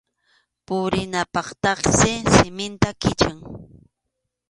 Purinanpaqtaqsi siminta kichan.